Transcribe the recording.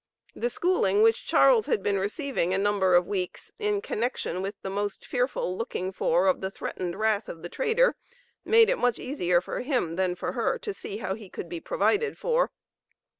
The schooling which Charles had been receiving a number of weeks in connection with the most fearful looking for of the threatened wrath of the trader made it much easier for him than for her to see how he could be provided for.